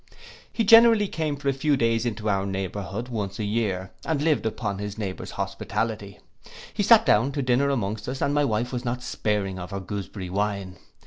He generally came for a few days into our neighbourhood once a year, and lived upon the neighbours hospitality. He sate down to supper among us, and my wife was not sparing of her gooseberry wine.